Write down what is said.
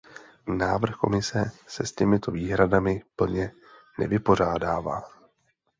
Návrh Komise se s těmito výhradami plně nevypořádává.